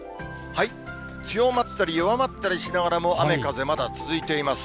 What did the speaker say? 強まったり弱まったりしながらも、雨風まだ続いています。